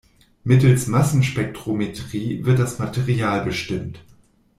Mittels Massenspektrometrie wird das Material bestimmt.